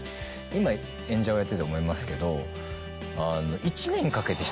今演者をやってて思いますけど。